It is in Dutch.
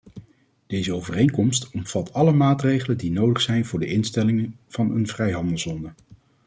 Deze overeenkomst omvat alle maatregelen die nodig zijn voor de instelling van een vrijhandelszone.